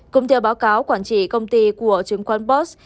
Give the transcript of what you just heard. cũng theo báo cáo quản trị công ty của chứng khoán boss